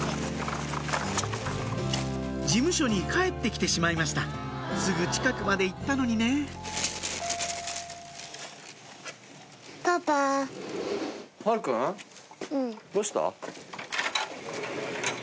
事務所に帰って来てしまいましたすぐ近くまで行ったのにねぇはるくん？